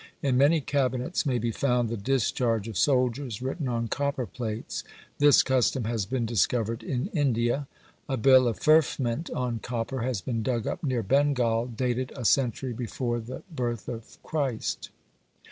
In many cabinets may be found the discharge of soldiers, written on copper plates. This custom has been discovered in India: a bill of feoffment on copper, has been dug up near Bengal, dated a century before the birth of Christ.